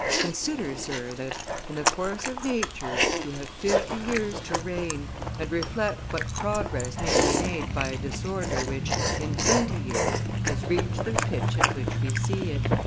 Consider, Sir, that, in the course of nature, you have fifty years to reign, and reflect what progress may be made by a disorder which, in twenty years, has reached the pitch at which we see it."